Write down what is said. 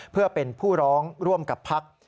เพื่อเป็นผู้ร้องร่วมกับพัก